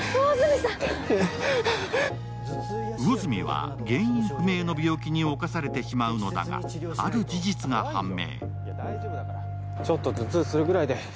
魚住は原因不明の病気に冒されてしまうのだが、ある事実が判明。